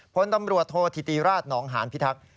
พลตำรวจโทษธิติราชหนองหานพิทักษ์